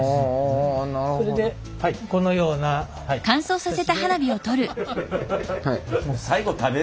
それでこのような形で。